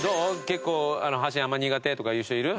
結構箸あんま苦手とかいう人いる？